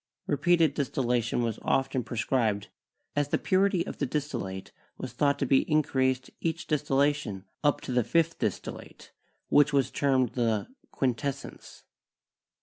Repeated distillation was often prescribed, as the purity of the distillate was thought to be increased by each distillation up to the fifth distillate, which was termed the '"quintessence."